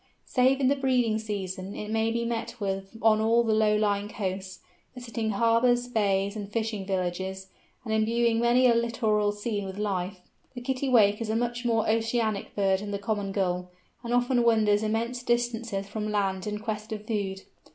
Save in the breeding season it may be met with on all the low lying coasts, visiting harbours, bays, and fishing villages, and imbuing many a littoral scene with life. The Kittiwake is a much more oceanic bird than the Common Gull, and often wanders immense distances from land in quest of food.